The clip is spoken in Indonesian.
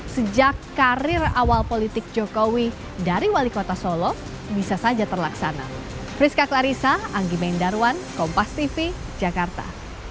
sejak karir awal politik jokowi dari wali kota solo bisa saja terlaksana